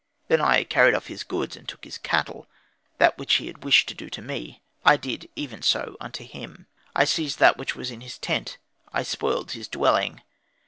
Then I carried off his goods and took his cattle, that which he had wished to do to me, I did even so unto him; I seized that which was in his tent, I spoiled his dwelling.